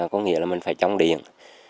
có nghĩa là mình phải trống điện